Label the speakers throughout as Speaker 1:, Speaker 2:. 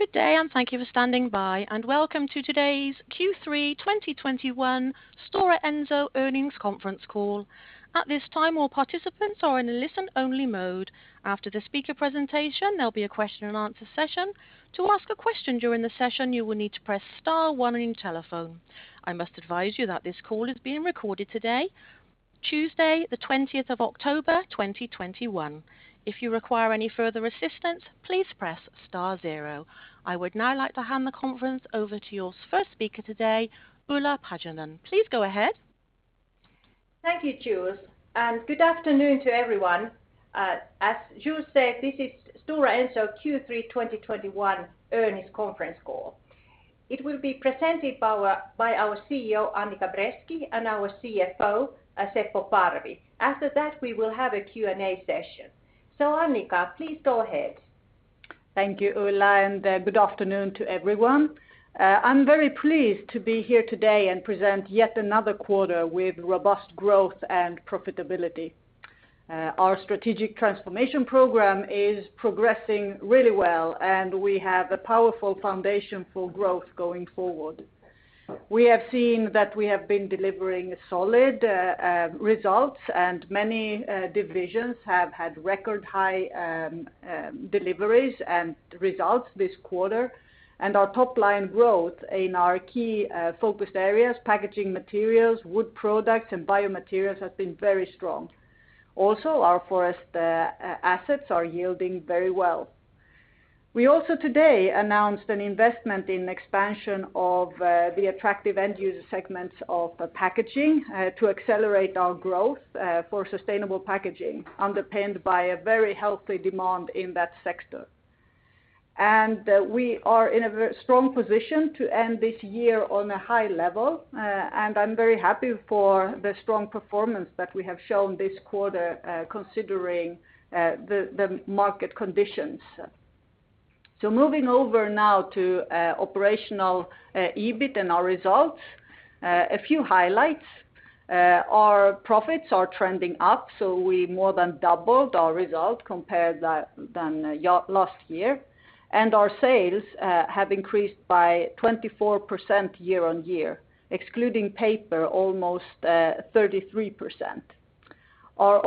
Speaker 1: Good day, and thank you for standing by, and welcome to today's Q3 2021 Stora Enso Earnings Conference Call. At this time, all participants are in a listen-only mode. After the speaker presentation, there'll be a question and answer session. To ask a question during the session, you will need to press star one on your telephone. I must advise you that this call is being recorded today, Tuesday, the 20th of October, 2021. If you require any further assistance, please press star zero. I would now like to hand the conference over to your first speaker today, Ulla Paajanen. Please go ahead.
Speaker 2: Thank you, Jules, and good afternoon to everyone. As Jules said, this is Stora Enso Q3 2021 Earnings Conference Call. It will be presented by our CEO, Annica Bresky, and our CFO, Seppo Parvi. After that, we will have a Q&A session. Annica, please go ahead.
Speaker 3: Thank you, Ulla, and good afternoon to everyone. I'm very pleased to be here today and present yet another quarter with robust growth and profitability. Our strategic transformation program is progressing really well. We have a powerful foundation for growth going forward. We have seen that we have been delivering solid results. Many divisions have had record high deliveries and results this quarter. Our top line growth in our key focused areas, packaging materials, wood products, and biomaterials, have been very strong. Also, our forest assets are yielding very well. We also today announced an investment in expansion of the attractive end user segments of packaging to accelerate our growth for sustainable packaging, underpinned by a very healthy demand in that sector. We are in a very strong position to end this year on a high level, and I'm very happy for the strong performance that we have shown this quarter, considering the market conditions. Moving over now to operational EBIT and our results, a few highlights. Our profits are trending up, so we more than doubled our result compared than last year. Our sales have increased by 24% year-on-year, excluding paper, almost 33%. Our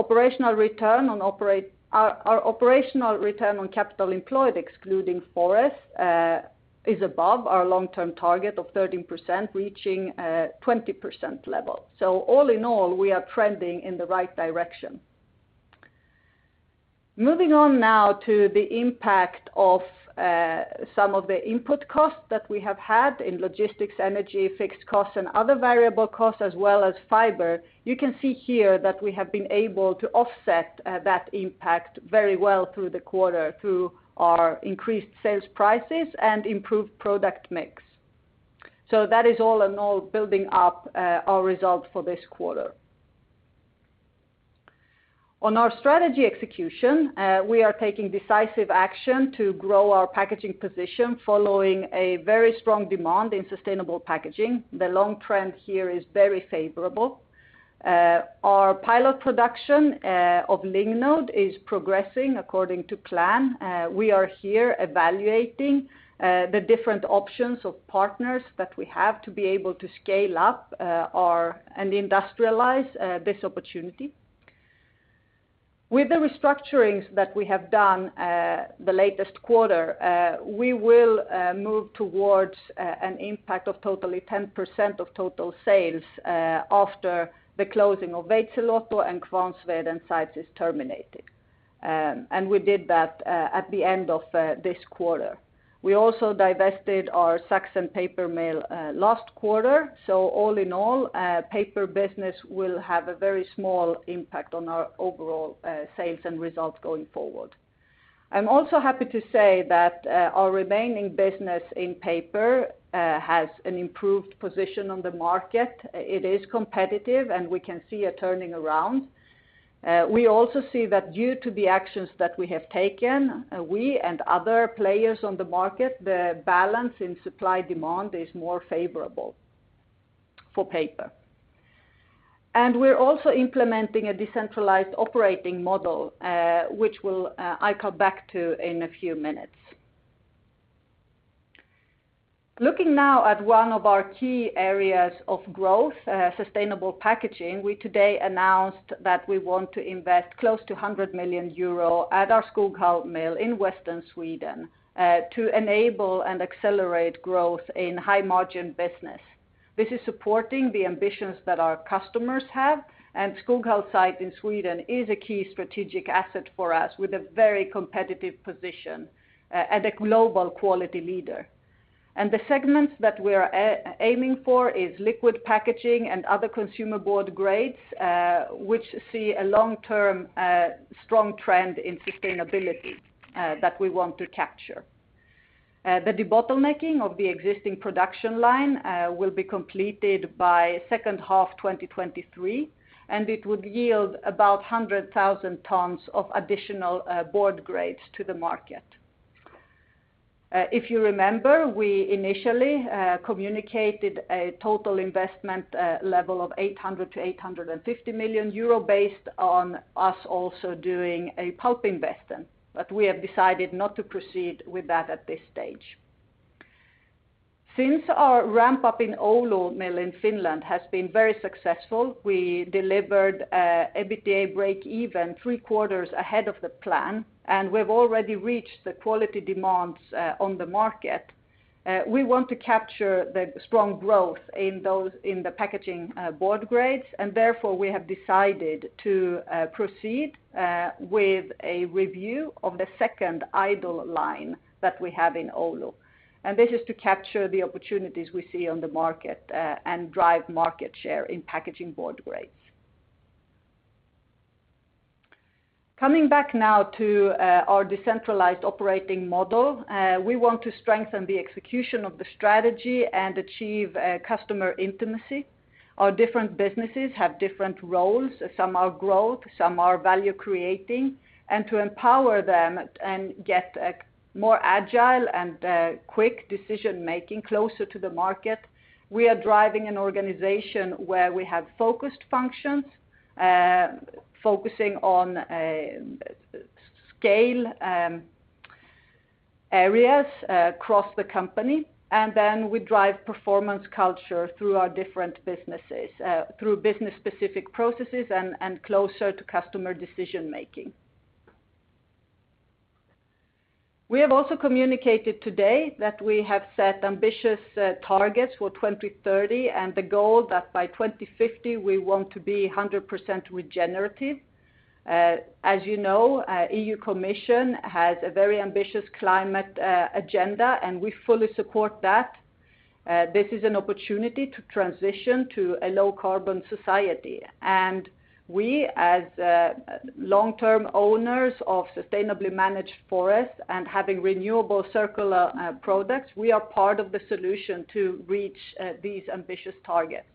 Speaker 3: operational return on capital employed, excluding forest, is above our long-term target of 13%, reaching 20% level. All in all, we are trending in the right direction. Moving on now to the impact of some of the input costs that we have had in logistics, energy, fixed costs, and other variable costs as well as fiber. You can see here that we have been able to offset that impact very well through the quarter through our increased sales prices and improved product mix. That is all in all building up our result for this quarter. On our strategy execution, we are taking decisive action to grow our packaging position following a very strong demand in sustainable packaging. The long trend here is very favorable. Our pilot production of Lignode is progressing according to plan. We are here evaluating the different options of partners that we have to be able to scale up and industrialize this opportunity. With the restructurings that we have done the latest quarter, we will move towards an impact of totally 10% of total sales after the closing of Veitsiluoto and Kvarnsveden sites is terminated. We did that at the end of this quarter. We also divested our Sachsen paper mill last quarter. All in all, paper business will have a very small impact on our overall sales and results going forward. I'm also happy to say that our remaining business in paper has an improved position on the market. It is competitive, and we can see a turning around. We also see that due to the actions that we have taken, we and other players on the market, the balance in supply-demand is more favorable for paper. We're also implementing a decentralized operating model, which I call back to in a few minutes. Looking now at one of our key areas of growth, sustainable packaging, we today announced that we want to invest close to 100 million euro at our Skoghall mill in Western Sweden, to enable and accelerate growth in high-margin business. This is supporting the ambitions that our customers have, and Skoghall site in Sweden is a key strategic asset for us with a very competitive position and a global quality leader. The segments that we're aiming for is Liquid packaging and other consumer board grades, which see a long-term strong trend in sustainability that we want to capture. The debottlenecking of the existing production line will be completed by second half 2023, and it would yield about 100,000 tons of additional board grades to the market. If you remember, we initially communicated a total investment level of 800 million-850 million euro based on us also doing a pulp investment, but we have decided not to proceed with that at this stage. Our ramp-up in Oulu Mill in Finland has been very successful. We delivered EBITDA breakeven 3 quarters ahead of the plan, and we've already reached the quality demands on the market. We want to capture the strong growth in the packaging board grades. Therefore, we have decided to proceed with a review of the second idle line that we have in Oulu. This is to capture the opportunities we see on the market, and drive market share in packaging board grades. Coming back now to our decentralized operating model, we want to strengthen the execution of the strategy and achieve customer intimacy. Our different businesses have different roles. Some are growth, some are value-creating. To empower them and get a more agile and quick decision-making closer to the market, we are driving an organization where we have focused functions, focusing on scale areas across the company. We drive performance culture through our different businesses, through business-specific processes and closer to customer decision-making. We have also communicated today that we have set ambitious targets for 2030, and the goal that by 2050, we want to be 100% regenerative. As you know, European Commission has a very ambitious climate agenda. We fully support that. This is an opportunity to transition to a low-carbon society. We, as long-term owners of sustainably managed forests and having renewable circular products, we are part of the solution to reach these ambitious targets.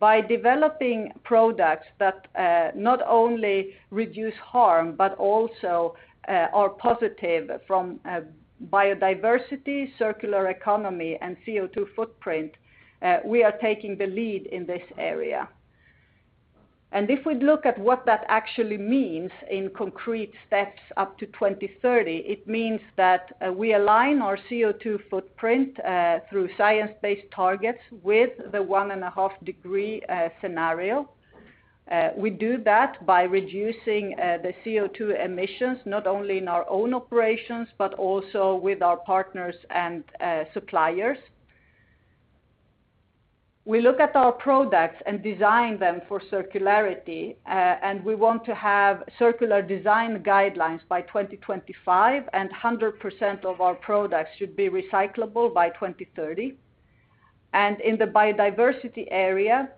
Speaker 3: By developing products that not only reduce harm, but also are positive from a biodiversity, circular economy, and CO2 footprint, we are taking the lead in this area. If we look at what that actually means in concrete steps up to 2030, it means that we align our CO2 footprint through science-based targets with the 1.5-degree scenario. We do that by reducing the CO2 emissions, not only in our own operations, but also with our partners and suppliers. We look at our products and design them for circularity, we want to have circular design guidelines by 2025, 100% of our products should be recyclable by 2030. In the biodiversity area,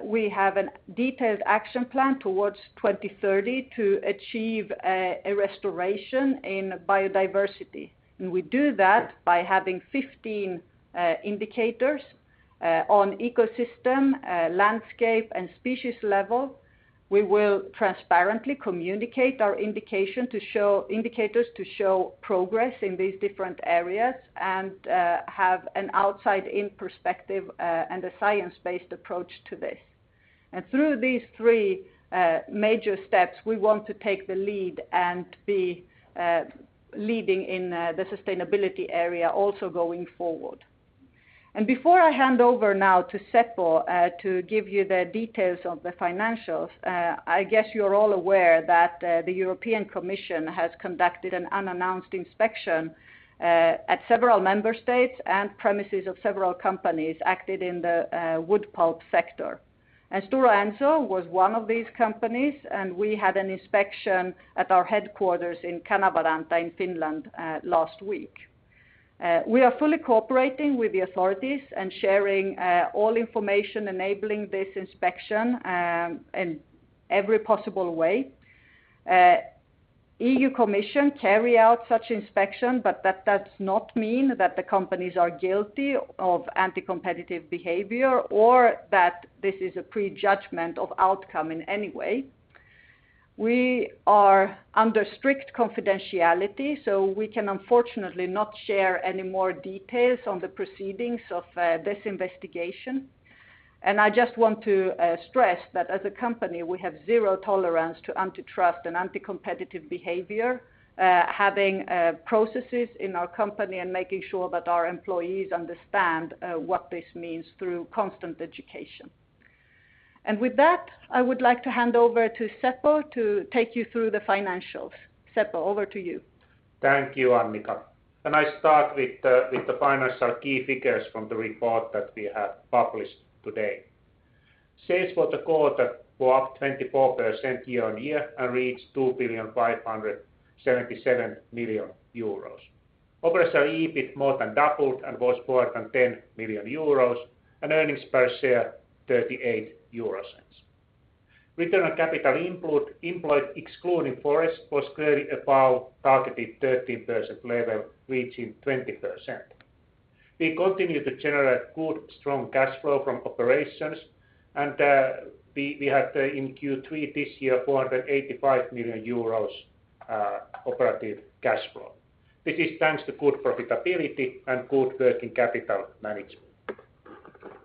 Speaker 3: we have a detailed action plan towards 2030 to achieve a restoration in biodiversity. We do that by having 15 indicators on ecosystem, landscape, and species level. We will transparently communicate our indicators to show progress in these different areas and have an outside-in perspective, a science-based approach to this. Through these three major steps, we want to take the lead and be leading in the sustainability area, also going forward. Before I hand over now to Seppo to give you the details of the financials, I guess you're all aware that the European Commission has conducted an unannounced inspection at several member states and premises of several companies acted in the wood pulp sector. Stora Enso was one of these companies, and we had an inspection at our headquarters in Kanavaranta in Finland last week. We are fully cooperating with the authorities and sharing all information enabling this inspection in every possible way. European Commission carry out such inspection, that does not mean that the companies are guilty of anti-competitive behavior or that this is a prejudgment of outcome in any way. We are under strict confidentiality, we can unfortunately not share any more details on the proceedings of this investigation. I just want to stress that as a company, we have 0 tolerance to antitrust and anti-competitive behavior, having processes in our company and making sure that our employees understand what this means through constant education. With that, I would like to hand over to Seppo to take you through the financials. Seppo, over to you.
Speaker 4: Thank you, Annica. I start with the financial key figures from the report that we have published today. Sales for the quarter were up 24% year-on-year and reached 2,577 million euros. Operational EBIT more than doubled and was more than 10 million euros, and earnings per share 0.38 euros. Return on capital employed excluding forest was clearly above targeted 30% level, reaching 20%. We continue to generate good, strong cash flow from operations, and we had in Q3 this year 485 million euros operative cash flow. This is thanks to good profitability and good working capital management.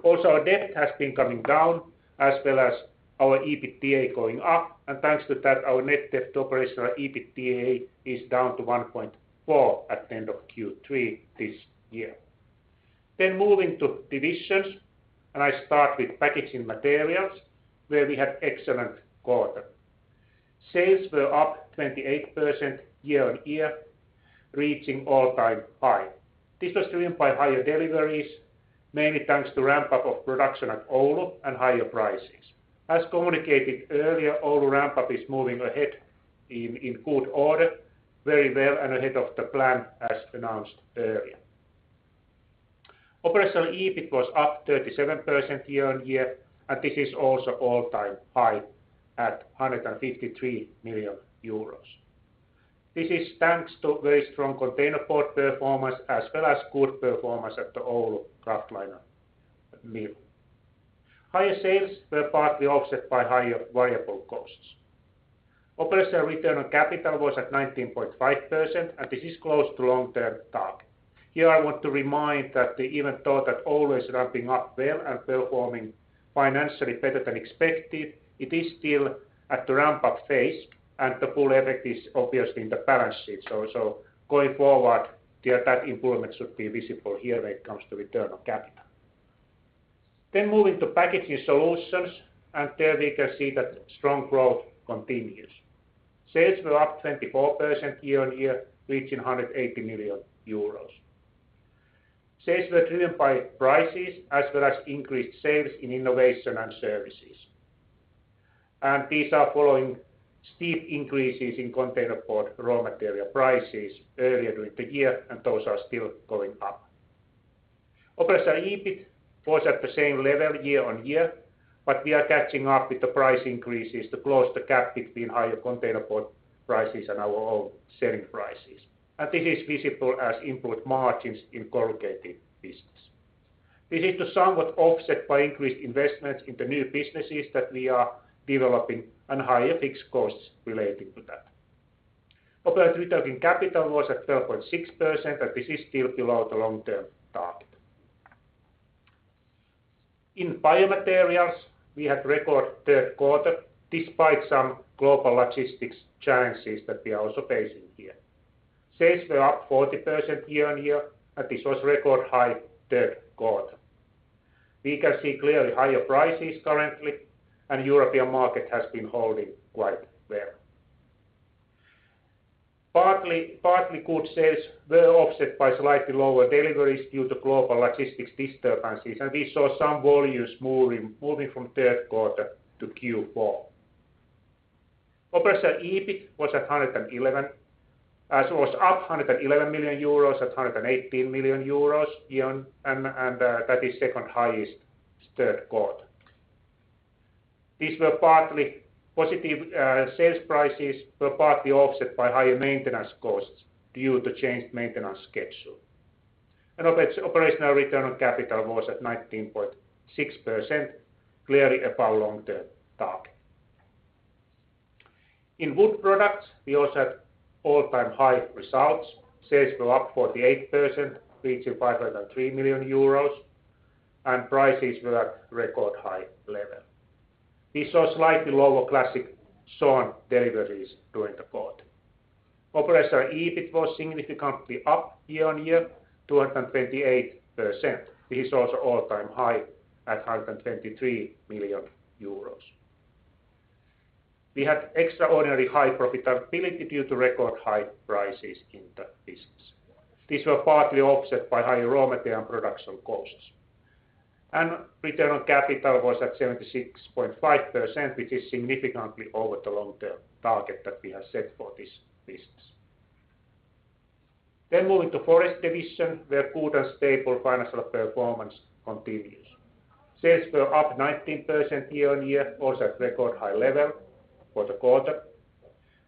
Speaker 4: Our debt has been coming down as well as our EBITDA going up, and thanks to that, our net debt to operational EBITDA is down to 1.4 at the end of Q3 this year. Moving to divisions, I start with packaging materials, where we had excellent quarter. Sales were up 28% year-on-year, reaching all-time high. This was driven by higher deliveries, mainly thanks to ramp-up of production at Oulu and higher prices. As communicated earlier, Oulu ramp-up is moving ahead in good order very well and ahead of the plan as announced earlier. Operational EBIT was up 37% year-on-year, and this is also all-time high at 153 million euros. This is thanks to very strong Containerboard performance as well as good performance at the Oulu Kraftliner Mill. Higher sales were partly offset by higher variable costs. Operational return on capital was at 19.5%, and this is close to long-term target. Here I want to remind that even though that Oulu is ramping up well and performing financially better than expected, it is still at the ramp-up phase and the full effect is obviously in the balance sheet. Going forward, that improvement should be visible here when it comes to return on capital. Moving to packaging solutions, and there we can see that strong growth continues. Sales were up 24% year-on-year, reaching 180 million euros. Sales were driven by prices as well as increased sales in innovation and services. These are following steep increases in Containerboard raw material prices earlier during the year, and those are still going up. Operational EBIT was at the same level year-on-year, but we are catching up with the price increases to close the gap between higher Containerboard prices and our own selling prices. This is visible as input margins in corrugated. This is to somewhat offset by increased investments in the new businesses that we are developing and higher fixed costs relating to that. Operating return on capital was at 12.6%. This is still below the long-term target. In biomaterials, we had record third quarter despite some global logistics challenges that we are also facing here. Sales were up 40% year-on-year. This was record high third quarter. We can see clearly higher prices currently. European market has been holding quite well. Partly good sales were offset by slightly lower deliveries due to global logistics disturbances. We saw some volumes moving from third quarter to Q4. Operational EBIT was up 111 million euros at 118 million euros. That is second highest third quarter. Positive sales prices were partly offset by higher maintenance costs due to changed maintenance schedule. Operational return on capital was at 19.6%, clearly above long-term target. In wood products, we also had all-time high results. Sales were up 48%, reaching 503 million euros, and prices were at record-high level. We saw slightly lower classic sawn deliveries during the quarter. Operational EBIT was significantly up year-on-year 228%, which is also all-time high at 123 million euros. We had extraordinarily high profitability due to record-high prices in that business. These were partly offset by higher raw material and production costs. Return on capital was at 76.5%, which is significantly over the long-term target that we have set for this business. Moving to forest division, where good and stable financial performance continues. Sales were up 19% year-on-year, also at record-high level for the quarter,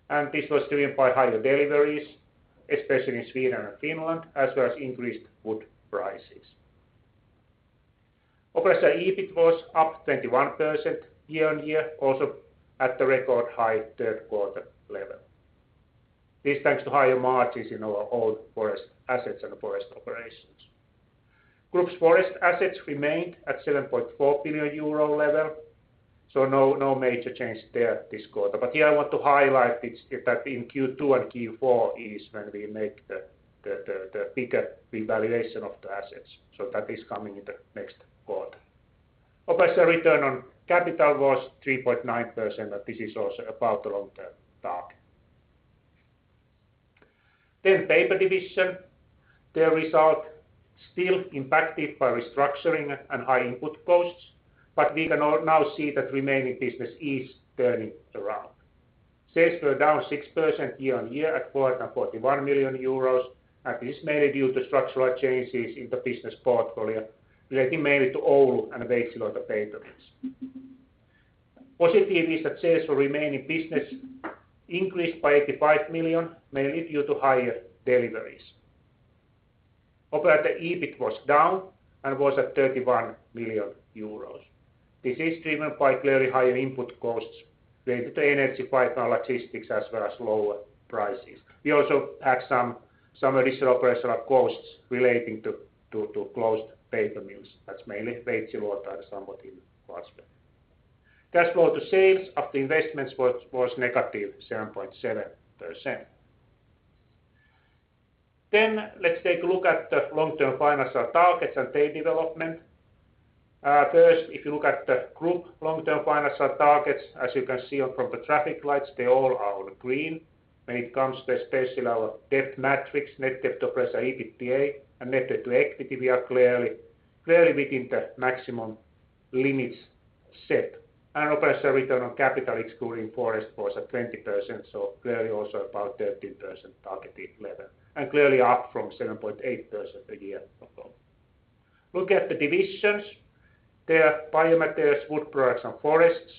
Speaker 4: and this was driven by higher deliveries, especially in Sweden and Finland, as well as increased wood prices. Operational EBIT was up 21% year-on-year, also at the record-high third quarter level. This is thanks to higher margins in our own forest assets and forest operations. Group's forest assets remained at 7.4 billion euro level, so no major change there this quarter. Here I want to highlight that in Q2 and Q4 is when we make the bigger revaluation of the assets. That is coming in the next quarter. Operational return on capital was 3.9%, and this is also above the long-term target. Paper division. Their result still impacted by restructuring and high input costs, but we can now see that remaining business is turning around. Sales were down 6% year-on-year at 441 million euros, and this is mainly due to structural changes in the business portfolio relating mainly to Oulu and Veitsiluoto paper mills. Positive is that sales for remaining business increased by 85 million, mainly due to higher deliveries. Operating EBIT was down and was at 31 million euros. This is driven by clearly higher input costs related to energy, fiber, logistics, as well as lower prices. We also had some additional operational costs relating to closed paper mills. That's mainly Veitsiluoto and somewhat in Kvarnsveden. Cash flow to sales after investments was negative 7.7%. Let's take a look at the long-term financial targets and their development. First, if you look at the group long-term financial targets, as you can see from the traffic lights, they all are green when it comes to especially our debt metrics, net debt to operating EBITDA, and net debt to equity, we are clearly within the maximum limits set. Operational return on capital excluding forest was at 20%, clearly also about 13% targeted level, and clearly up from 7.8% a year ago. Look at the divisions. They are Biomaterials, Wood Products and Forests,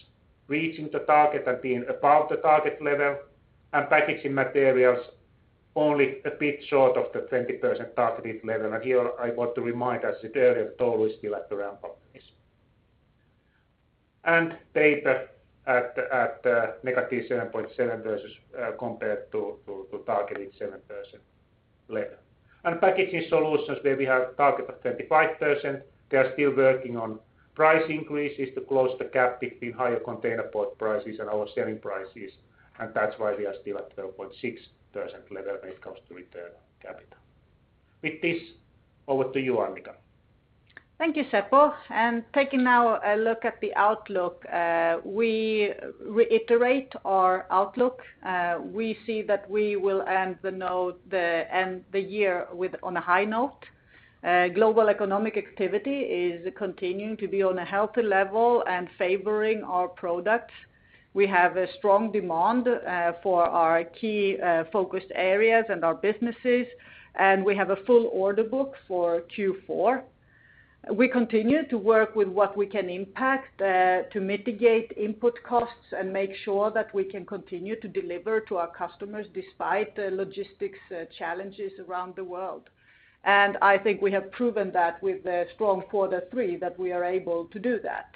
Speaker 4: reaching the target and being above the target level, and Packaging Materials only a bit short of the 20% targeted level. Here I want to remind, as said earlier, Oulu is still at the ramp-up phase. Paper at negative 7.7% versus compared to targeted 7% level. Packaging Solutions, where we have a target of 25%, they are still working on price increases to close the gap between higher containerboard prices and our selling prices, and that's why we are still at 12.6% level when it comes to return on capital. With this, over to you, Annica.
Speaker 3: Thank you, Seppo. Taking now a look at the outlook, we reiterate our outlook. We see that we will end the year on a high note. Global economic activity is continuing to be on a healthy level and favoring our products. We have a strong demand for our key focused areas and our businesses. We have a full order book for Q4. We continue to work with what we can impact to mitigate input costs and make sure that we can continue to deliver to our customers despite the logistics challenges around the world. I think we have proven that with the strong quarter three, that we are able to do that.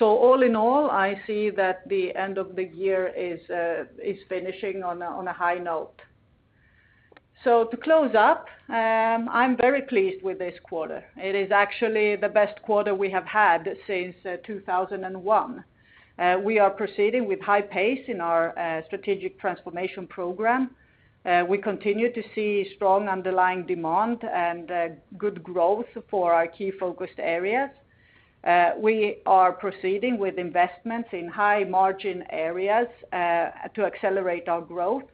Speaker 3: All in all, I see that the end of the year is finishing on a high note. To close up, I'm very pleased with this quarter. It is actually the best quarter we have had since 2001. We are proceeding with high pace in our strategic transformation program. We continue to see strong underlying demand and good growth for our key focused areas. We are proceeding with investments in high-margin areas to accelerate our growth.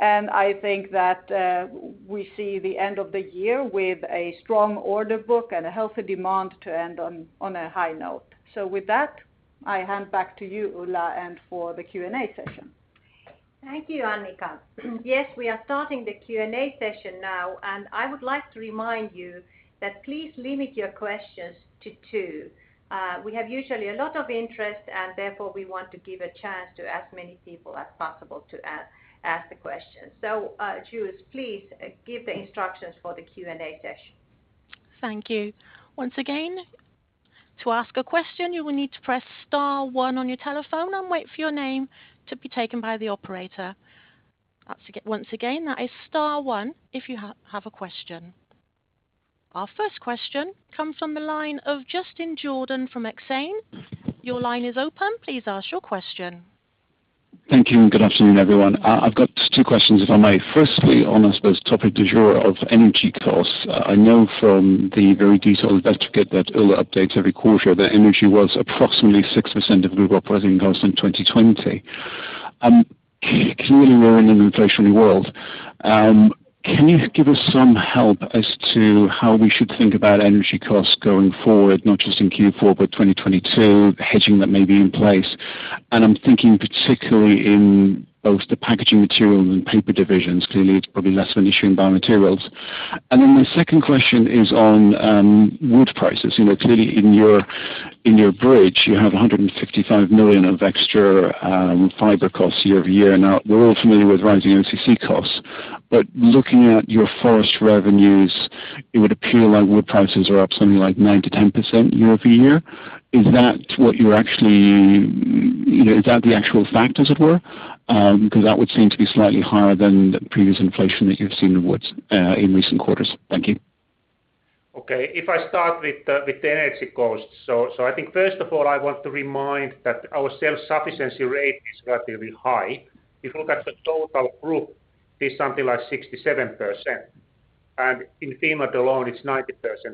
Speaker 3: I think that we see the end of the year with a strong order book and a healthy demand to end on a high note. With that, I hand back to you, Ulla, and for the Q&A session.
Speaker 2: Thank you, Annica. We are starting the Q&A session now, and I would like to remind you that please limit your questions to two. We have usually a lot of interest, and therefore we want to give a chance to as many people as possible to ask the questions. Jules, please give the instructions for the Q&A session.
Speaker 1: Thank you. Once again, to ask a question, you will need to press star one on your telephone and wait for your name to be taken by the operator. Once again, that is star one if you have a question. Our first question comes from the line of Justin Jordan from Exane. Your line is open. Please ask your question.
Speaker 5: Thank you, and good afternoon, everyone. I've got two questions, if I may. Firstly, on, I suppose, topic du jour of energy costs. I know from the very detailed budget that Ulla updates every quarter that energy was approximately 6% of group operating costs in 2020. Clearly, we're in an inflationary world. Can you give us some help as to how we should think about energy costs going forward, not just in Q4, but 2022, hedging that may be in place? I'm thinking particularly in both the Packaging Materials and Paper divisions. Clearly, it's probably less of an issue in Biomaterials. My second question is on wood prices. Clearly in your bridge, you have 155 million of extra fiber costs year-over-year. Now, we're all familiar with rising OCC costs, but looking at your forest revenues, it would appear like wood prices are up something like 9%-10% year-over-year. Is that the actual fact as it were? Because that would seem to be slightly higher than the previous inflation that you've seen in wood, in recent quarters. Thank you.
Speaker 4: If I start with the energy costs. I think first of all, I want to remind that our self-sufficiency rate is relatively high. If you look at the total group, it's something like 67%. In Finland alone, it's 90%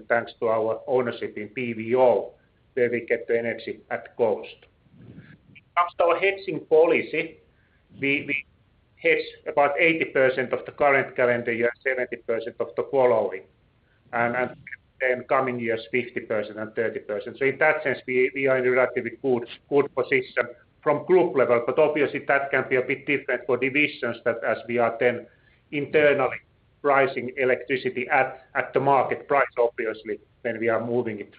Speaker 4: thanks to our ownership in PVO, where we get the energy at cost. When it comes to our hedging policy, we hedge about 80% of the current calendar year, 70% of the following, and then coming years, 50% and 30%. In that sense, we are in a relatively good position from group level, but obviously that can be a bit different for divisions that as we are then internally pricing electricity at the market price, obviously, when we are moving it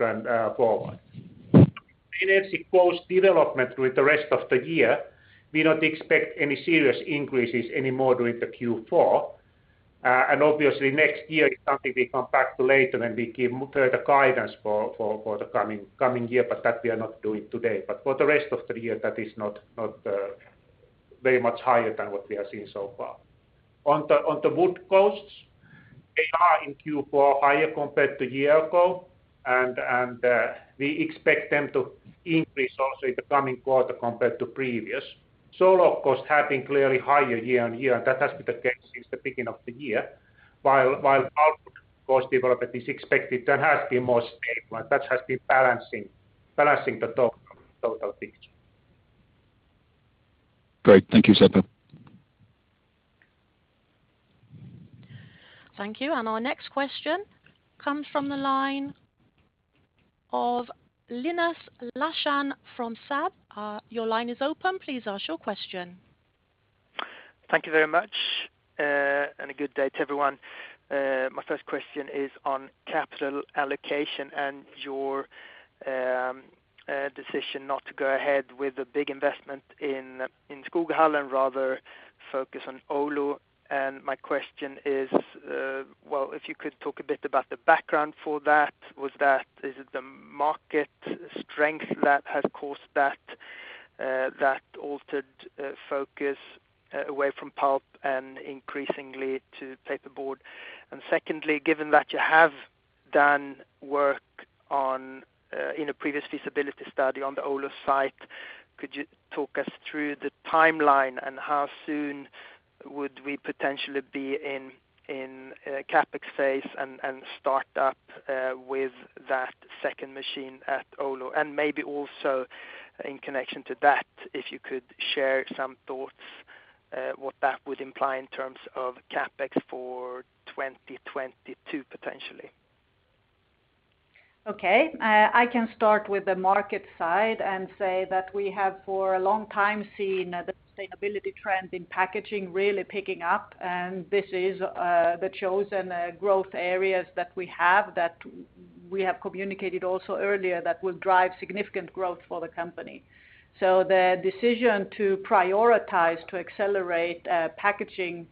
Speaker 4: forward. Energy cost development through the rest of the year, we don't expect any serious increases anymore during the Q4. Obviously next year is something we come back to later when we give further guidance for the coming year, but that we are not doing today. For the rest of the year, that is not very much higher than what we have seen so far. On the wood costs, they are in Q4 higher compared to a year ago, and we expect them to increase also in the coming quarter compared to previous. Sawlog costs have been clearly higher year-on-year, and that has been the case since the beginning of the year, while output cost development is expected there has been more stable, and that has been balancing the total picture.
Speaker 5: Great. Thank you, Seppo.
Speaker 1: Thank you. Our next question comes from the line of Linus Larsson from SEB. Your line is open. Please ask your question.
Speaker 6: Thank you very much, and a good day to everyone. My first question is on capital allocation and your decision not to go ahead with the big investment in Skoghall and rather focus on Oulu. My question is, if you could talk a bit about the background for that. Is it the market strength that has caused that altered focus away from pulp and increasingly to paper board? Secondly, given that you have done work in a previous feasibility study on the Oulu site, could you talk us through the timeline and how soon would we potentially be in CapEx phase and start up with that second machine at Oulu? Maybe also in connection to that, if you could share some thoughts, what that would imply in terms of CapEx for 2022 potentially.
Speaker 3: Okay. I can start with the market side and say that we have for a long time seen the sustainability trend in packaging really picking up. This is the chosen growth areas that we have, that we have communicated also earlier that will drive significant growth for the company. The decision to prioritize, to accelerate packaging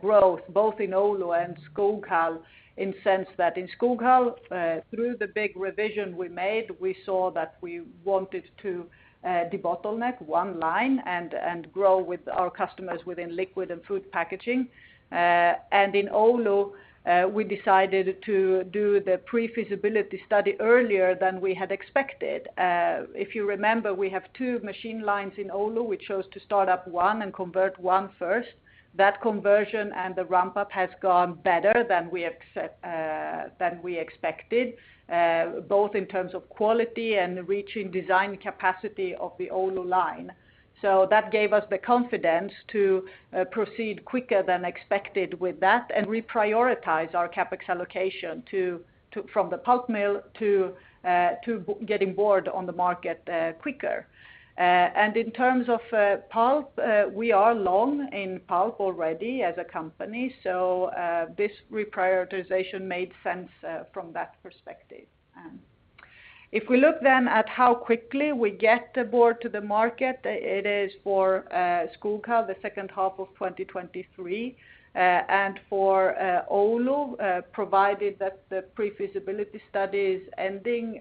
Speaker 3: growth both in Oulu and Skoghall, in the sense that in Skoghall, through the big revision we made, we saw that we wanted to debottleneck one line and grow with our customers within liquid and food packaging. In Oulu, we decided to do the pre-feasibility study earlier than we had expected. If you remember, we have two machine lines in Oulu. We chose to start up one and convert one first. That conversion and the ramp-up has gone better than we expected, both in terms of quality and reaching design capacity of the Oulu line. That gave us the confidence to proceed quicker than expected with that and reprioritize our CapEx allocation from the pulp mill to getting board on the market quicker. In terms of pulp, we are long in pulp already as a company, so this reprioritization made sense from that perspective. If we look then at how quickly we get the board to the market, it is for Skoghall the second half of 2023. For Oulu, provided that the pre-feasibility study is ending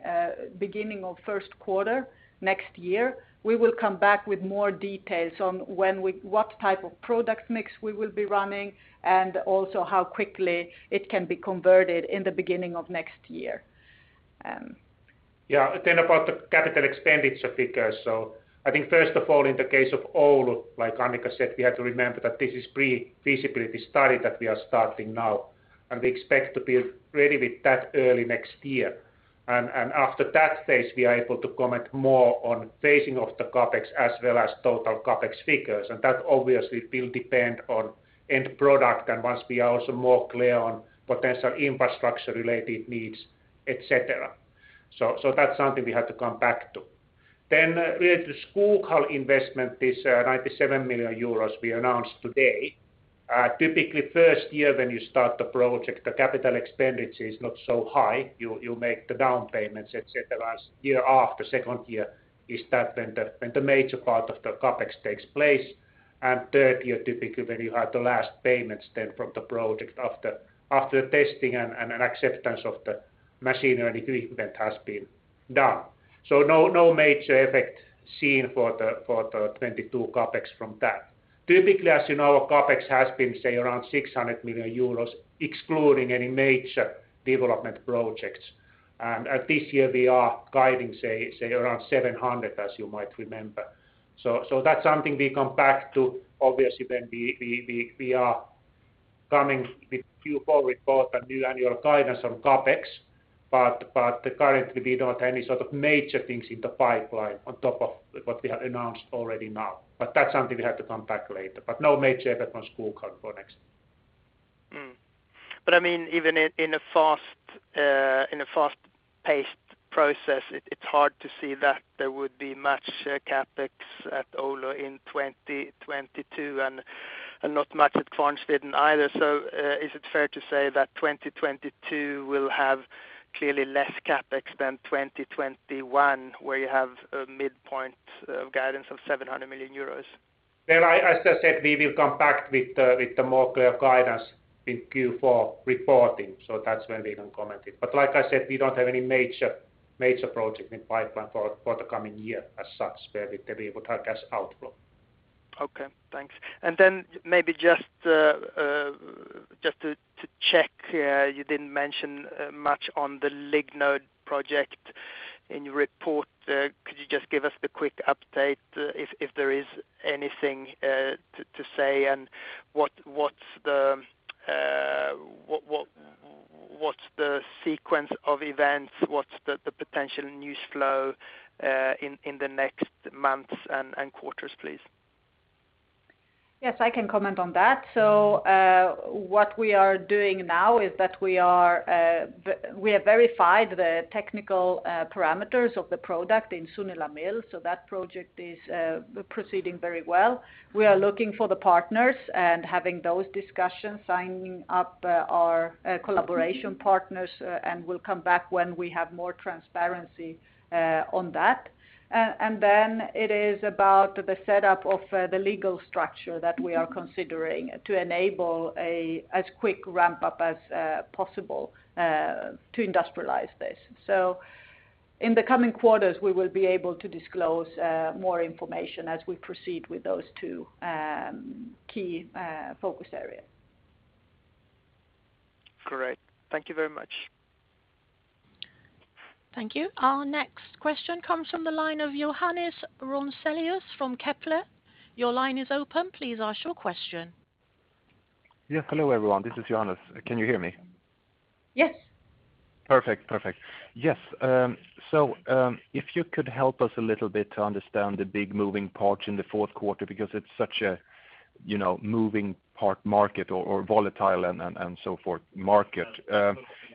Speaker 3: beginning of first quarter next year, we will come back with more details on what type of product mix we will be running and also how quickly it can be converted in the beginning of next year.
Speaker 4: About the capital expenditure figures. I think first of all, in the case of Oulu, like Annica said, we have to remember that this is pre-feasibility study that we are starting now, and we expect to be ready with that early next year. After that phase, we are able to comment more on phasing of the CapEx as well as total CapEx figures. That obviously will depend on end product and once we are also more clear on potential infrastructure related needs, et cetera. That's something we have to come back to. With the Skoghall investment, this 97 million euros we announced today. Typically, first year when you start the project, the capital expenditure is not so high. You make the down payments, et cetera, as year after, second year is that when the major part of the CapEx takes place. Third year, typically, when you have the last payments then from the project after the testing and acceptance of the machinery equipment has been done. No major effect seen for the 2022 CapEx from that. Typically, as you know, our CapEx has been, say, around 600 million euros, excluding any major development projects. This year we are guiding, say, around 700 million, as you might remember. That's something we come back to, obviously, when we are coming with Q4 report and new annual guidance on CapEx. Currently we don't have any sort of major things in the pipeline on top of what we have announced already now. That's something we have to come back later. No major effect on Skoghall for next year.
Speaker 6: Even in a fast-paced process, it's hard to see that there would be much CapEx at Oulu in 2022 and not much at Kvarnsveden either. Is it fair to say that 2022 will have clearly less CapEx than 2021, where you have a midpoint guidance of 700 million euros?
Speaker 4: As I said, we will come back with the more clear guidance in Q4 reporting, so that's when we will comment it. Like I said, we don't have any major projects in the pipeline for the coming year as such where we would have cash outflow.
Speaker 6: Okay, thanks. Maybe just to check, you didn't mention much on the Lignode project in your report. Could you just give us a quick update if there is anything to say, and what's the sequence of events? What's the potential news flow in the next months and quarters, please?
Speaker 3: What we are doing now is that we have verified the technical parameters of the product in Sunila mill, so that project is proceeding very well. We are looking for the partners and having those discussions, signing up our collaboration partners, and we'll come back when we have more transparency on that. It is about the setup of the legal structure that we are considering to enable as quick ramp-up as possible to industrialize this. In the coming quarters, we will be able to disclose more information as we proceed with those two key focus areas.
Speaker 6: Great. Thank you very much.
Speaker 1: Thank you. Our next question comes from the line of Johannes Grunselius from Kepler. Your line is open. Please ask your question.
Speaker 7: Yes, hello everyone. This is Johannes. Can you hear me?
Speaker 3: Yes.
Speaker 7: Perfect. Yes. If you could help us a little bit to understand the big moving parts in the fourth quarter, because it's such a moving part market or volatile and so forth market.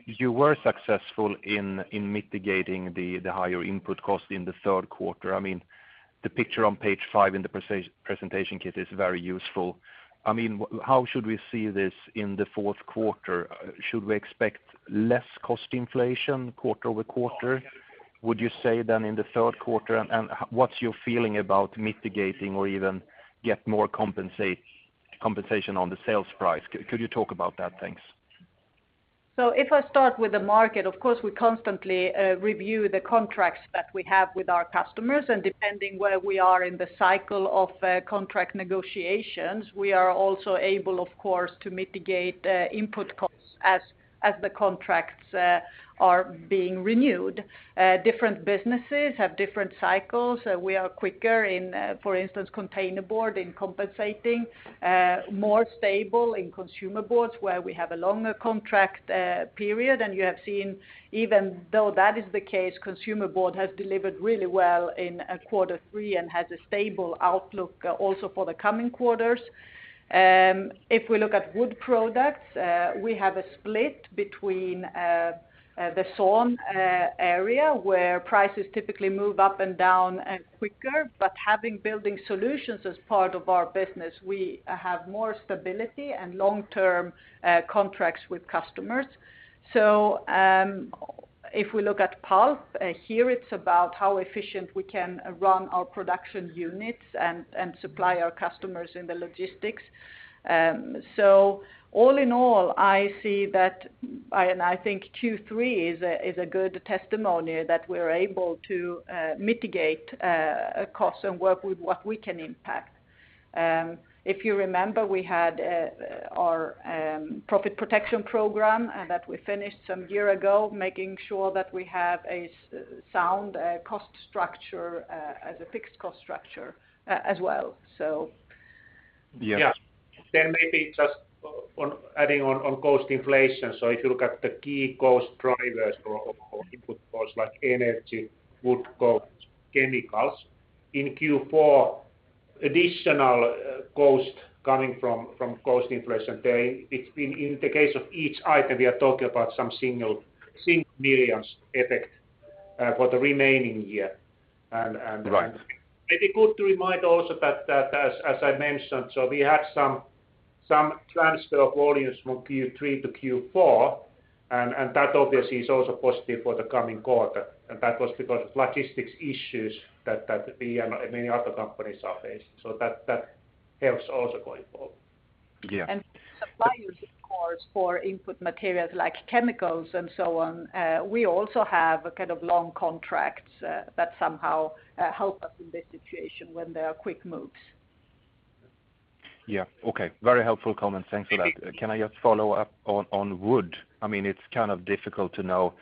Speaker 7: You were successful in mitigating the higher input cost in the third quarter. The picture on page five in the presentation kit is very useful. How should we see this in the fourth quarter? Should we expect less cost inflation quarter-over-quarter? Would you say than in the third quarter, what's your feeling about mitigating or even get more compensation on the sales price? Could you talk about that? Thanks.
Speaker 3: If I start with the market, of course, we constantly review the contracts that we have with our customers, and depending where we are in the cycle of contract negotiations, we are also able, of course, to mitigate input costs as the contracts are being renewed. Different businesses have different cycles. We are quicker in, for instance, Containerboard in compensating, more stable in Consumer board where we have a longer contract period. You have seen, even though that is the case, Consumer board has delivered really well in quarter three and has a stable outlook also for the coming quarters. If we look at wood products, we have a split between the sawn area where prices typically move up and down quicker. Having Building Solutions as part of our business, we have more stability and long-term contracts with customers. If we look at pulp, here it's about how efficient we can run our production units and supply our customers in the logistics. All in in all, I see that, and I think Q3 is a good testimony that we're able to mitigate costs and work with what we can impact. If you remember, we had our profit protection program that we finished some year ago, making sure that we have a sound cost structure as a fixed cost structure as well.
Speaker 7: Yeah.
Speaker 4: Yeah. Maybe just on adding on cost inflation. If you look at the key cost drivers or input costs like energy, wood costs, chemicals, in Q4, additional cost coming from cost inflation there, in the case of each item, we are talking about some single millions effect for the remaining year.
Speaker 7: Right.
Speaker 4: Maybe good to remind also that as I mentioned, so we had some transfer of volumes from Q3 to Q4, and that obviously is also positive for the coming quarter. That was because of logistics issues that we and many other companies are facing. That helps also going forward.
Speaker 7: Yeah.
Speaker 3: Suppliers, of course, for input materials like chemicals and so on, we also have kind of long contracts that somehow help us in this situation when there are quick moves.
Speaker 7: Yeah. Okay. Very helpful comments. Thanks for that. Can I just follow up on wood? It's kind of difficult to know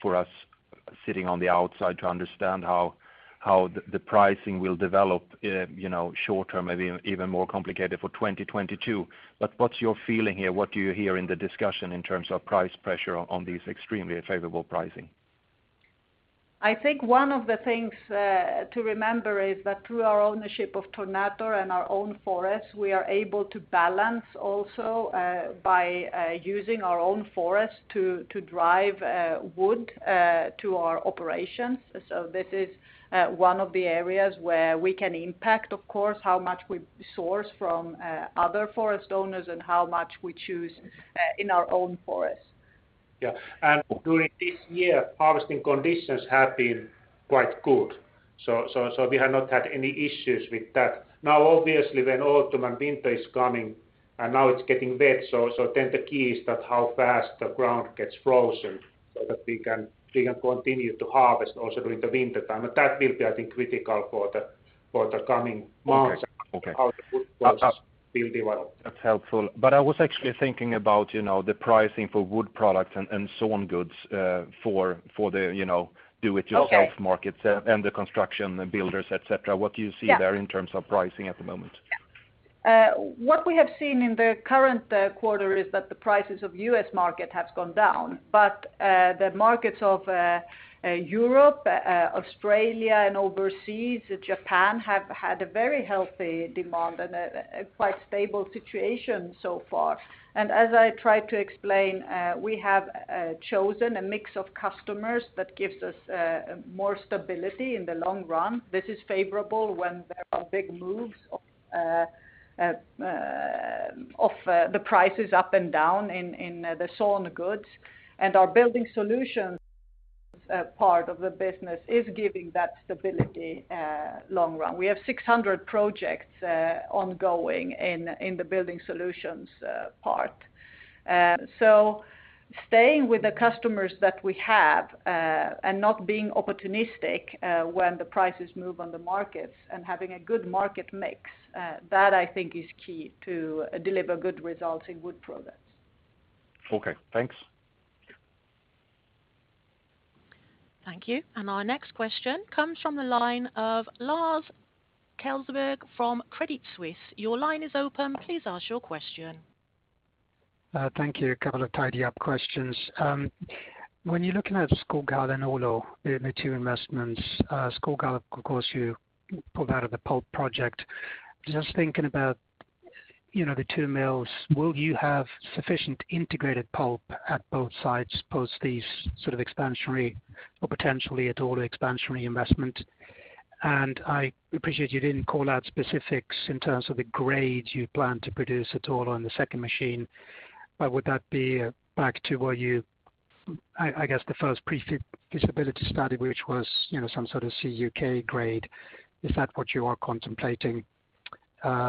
Speaker 7: for us sitting on the outside to understand how the pricing will develop, short-term, maybe even more complicated for 2022. What's your feeling here? What do you hear in the discussion in terms of price pressure on these extremely favorable pricing?
Speaker 3: I think one of the things to remember is that through our ownership of Tornator and our own forests, we are able to balance also by using our own forests to drive wood to our operations. This is one of the areas where we can impact, of course, how much we source from other forest owners and how much we choose in our own forests.
Speaker 4: Yeah. During this year, harvesting conditions have been quite good. We have not had any issues with that. Now, obviously, when autumn and winter is coming, and now it's getting wet, so then the key is that how fast the ground gets frozen so that we can continue to harvest also during the wintertime. That will be, I think, critical for the coming months.
Speaker 7: Okay
Speaker 4: How the wood flows will develop.
Speaker 7: That's helpful. I was actually thinking about the pricing for wood products and sawn goods for the do it yourself markets.
Speaker 3: Okay
Speaker 7: The construction builders, et cetera. What do you see there in terms of pricing at the moment?
Speaker 3: What we have seen in the current quarter is that the prices of U.S. market have gone down. The markets of Europe, Australia, and overseas, Japan, have had a very healthy demand and a quite stable situation so far. As I tried to explain, we have chosen a mix of customers that gives us more stability in the long run. This is favorable when there are big moves of the prices up and down in the sawn goods. Our Building Solutions part of the business is giving that stability long run. We have 600 projects ongoing in the Building Solutions part. Staying with the customers that we have, and not being opportunistic when the prices move on the markets and having a good market mix, that I think is key to deliver good results in wood products.
Speaker 7: Okay. Thanks.
Speaker 1: Thank you. Our next question comes from the line of Lars Kjellberg from Credit Suisse. Your line is open. Please ask your question.
Speaker 8: Thank you. A couple of tidy up questions. When you're looking at Skoghall and Oulu, the two investments, Skoghall, of course, you pulled out of the pulp project. Just thinking about the two mills, will you have sufficient integrated pulp at both sites post these sort of expansionary or potentially at all expansionary investment? I appreciate you didn't call out specifics in terms of the grade you plan to produce at all on the second machine, but would that be back to what you I guess the first pre-feasibility study, which was some sort of CUK grade, is that what you are contemplating? That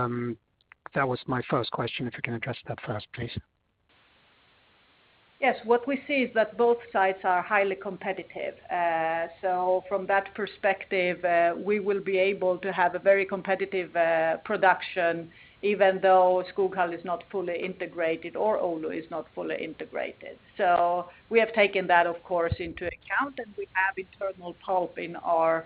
Speaker 8: was my first question, if you can address that first, please.
Speaker 4: Yes. What we see is that both sites are highly competitive. From that perspective, we will be able to have a very competitive production even though Skoghall is not fully integrated or Oulu is not fully integrated. We have taken that, of course, into account. We have internal pulp in our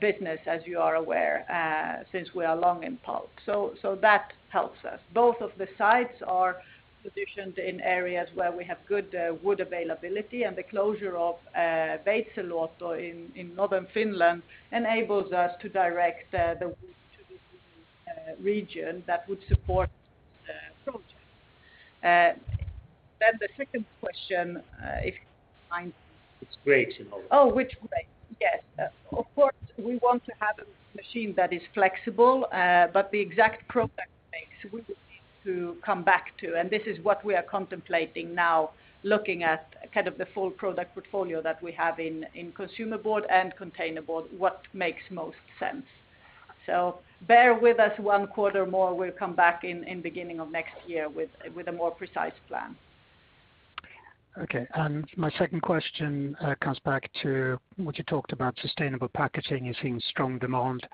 Speaker 4: business, as you are aware, since we are long in pulp. That helps us. Both of the sites are positioned in areas where we have good wood availability. The closure of Veitsiluoto in Northern Finland enables us to direct the wood to this region that would support the project. The second question, if you don't mind.
Speaker 8: Which grades in Oulu?
Speaker 3: Oh, which grades. Yes. Of course, we want to have a machine that is flexible, but the exact product mix we will need to come back to, and this is what we are contemplating now, looking at kind of the full product portfolio that we have in Consumer board and Containerboard, what makes most sense. Bear with us one quarter more. We'll come back in beginning of next year with a more precise plan.
Speaker 8: Okay. My second question comes back to what you talked about sustainable packaging is seeing strong demand.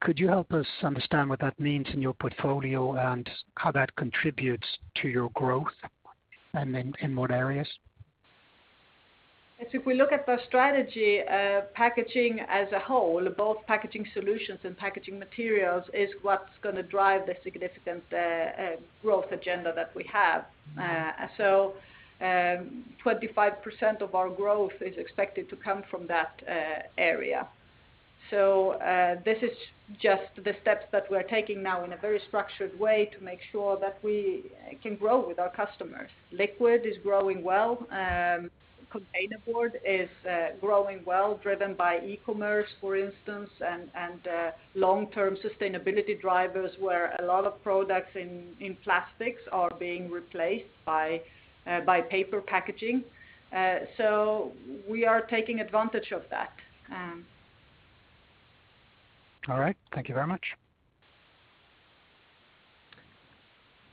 Speaker 8: Could you help us understand what that means in your portfolio and how that contributes to your growth? In what areas?
Speaker 4: If we look at the strategy, packaging as a whole, both packaging solutions and packaging materials is what's going to drive the significant growth agenda that we have. 25% of our growth is expected to come from that area. This is just the steps that we're taking now in a very structured way to make sure that we can grow with our customers. Liquid is growing well. Containerboard is growing well, driven by e-commerce, for instance, and long-term sustainability drivers, where a lot of products in plastics are being replaced by paper packaging. We are taking advantage of that.
Speaker 8: All right. Thank you very much.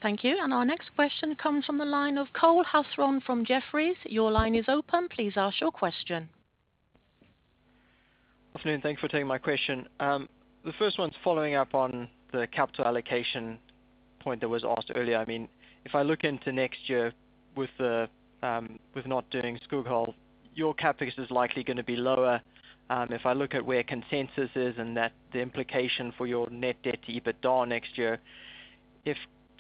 Speaker 1: Thank you. Our next question comes from the line of Cole Hathorn from Jefferies. Your line is open. Please ask your question.
Speaker 9: Afternoon. Thanks for taking my question. The first one's following up on the capital allocation point that was asked earlier. If I look into next year with not doing Skoghall, your CapEx is likely going to be lower. If I look at where consensus is and the implication for your net debt to EBITDA next year,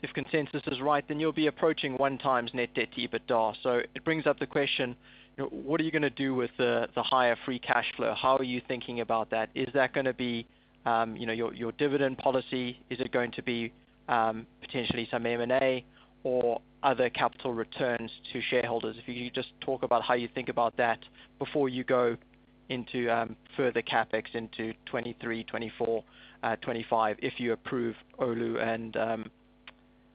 Speaker 9: if consensus is right, then you'll be approaching one times net debt to EBITDA. It brings up the question, what are you going to do with the higher free cash flow? How are you thinking about that? Is that going to be your dividend policy? Is it going to be potentially some M&A or other capital returns to shareholders? If you could just talk about how you think about that before you go into further CapEx into 2023, 2024, 2025 if you approve Oulu and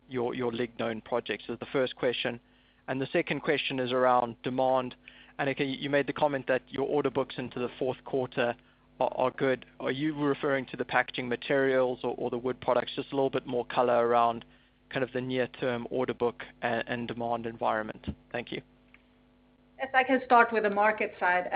Speaker 9: your Lignode projects. That was the first question. The second question is around demand. Annica, you made the comment that your order books into the fourth quarter are good. Are you referring to the packaging materials or the wood products? Just a little bit more color around the near-term order book and demand environment. Thank you.
Speaker 3: Yes, I can start with the market side.